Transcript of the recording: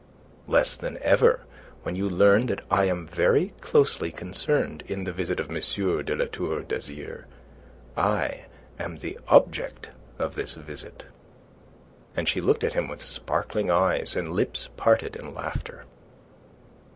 "Less than ever when you learn that I am very closely concerned in the visit of M. de La Tour d'Azyr. I am the object of this visit." And she looked at him with sparkling eyes and lips parted in laughter.